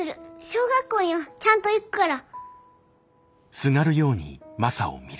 小学校にはちゃんと行くから。